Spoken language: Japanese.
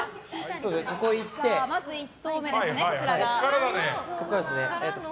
まず１刀目です。